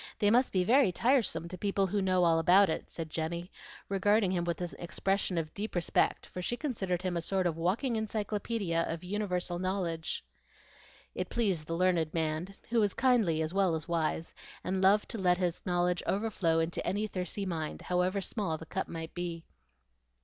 They must be very tiresome to people who know all about it," said Jenny, regarding him with an expression of deep respect for she considered him a sort of walking encyclopaedia of universal knowledge. It pleased the learned man, who was kindly as well as wise, and loved to let his knowledge overflow into any thirsty mind, however small the cup might be.